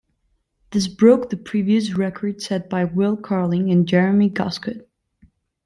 This broke the previous record set by Will Carling and Jeremy Guscott.